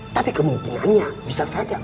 tapi kemungkinannya bisa saja